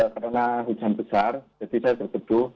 karena hujan besar jadi saya berpeduh